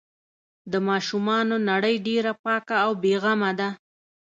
د ماشومانو نړۍ ډېره پاکه او بې غمه ده.